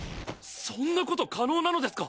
そんな事可能なのですか！？